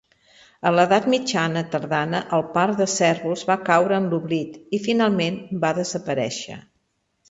A l'edat mitjana tardana, el parc de cérvols va caure en l'oblit i, finalment, va desaparèixer.